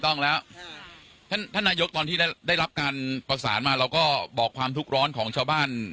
ต้องแล้วท่านท่านนายกตอนที่ได้รับการประสานมาเราก็บอกความทุกข์ร้อนของชาวบ้าน